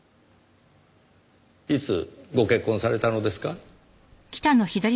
いつご結婚されたのですか？